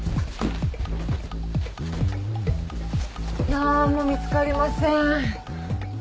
なーんも見つかりません。